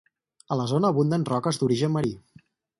A la zona abunden roques d'origen marí.